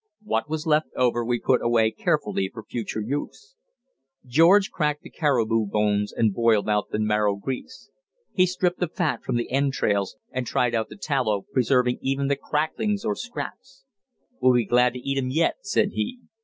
What was left over we put away carefully for future use. George cracked the caribou bones and boiled out the marrow grease. He stripped the fat from the entrails and tried out the tallow, preserving even the cracklings or scraps. "We'll be glad to eat 'em yet," said he.